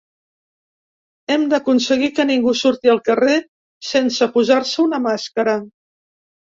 Hem d’aconseguir que ningú surti al carrer sense posar-se una màscara.